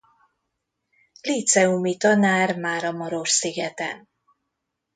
Líceumi tanár Máramarosszigeten.